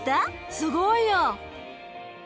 すごいよ。